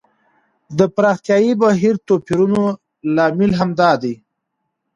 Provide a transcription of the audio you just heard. د پراختیايي بهیر توپیرونه لامل همدا دی.